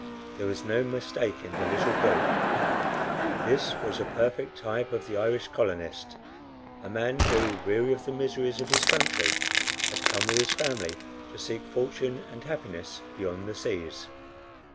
There was no mistaking the little group. This was a perfect type of the Irish colonist a man who, weary of the miseries of his country, had come, with his family, to seek fortune and happiness beyond the seas.